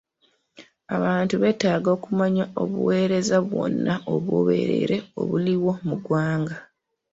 Abantu beetaaga okumanya obuweereza bwonna obw'obwereere obuliwo mu ggwanga.